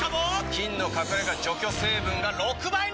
菌の隠れ家除去成分が６倍に！